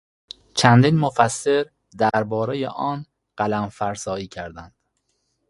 چندین مفسر دربارهی آن قلم فرسایی کردند.